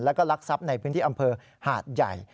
แล้วก็ลักทรัพย์ในพื้นที่อำเภอหาดใหญ่